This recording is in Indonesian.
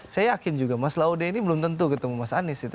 saya yakin juga mas laude ini belum tentu ketemu mas anies gitu